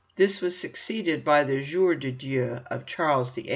This was succeeded by the jour de Dieu of Charles VIII.